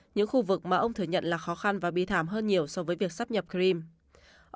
những khu vực mà ông thừa nhận là khó khăn và bi thảm hơn nhiều so với việc sắp nhập krem